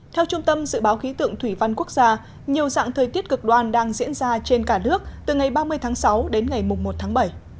theo trung tâm dự báo khí tượng thủy văn quốc gia nhiều dạng thời tiết cực đoan đang diễn ra trên cả nước từ ngày ba mươi tháng sáu đến ngày một tháng bảy